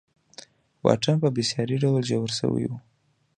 واټن په بېساري ډول ژور شوی و.